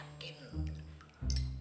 hari gue harus siapin nyakin